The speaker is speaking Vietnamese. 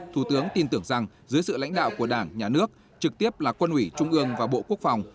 thủ tướng tin tưởng rằng dưới sự lãnh đạo của đảng nhà nước trực tiếp là quân ủy trung ương và bộ quốc phòng